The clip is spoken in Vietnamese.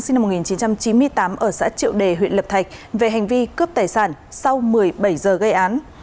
sinh năm một nghìn chín trăm chín mươi tám ở xã triệu đề huyện lập thạch về hành vi cướp tài sản sau một mươi bảy giờ gây án